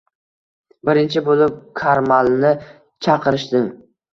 Birinchi bo`lib Karmallni chaqirishdi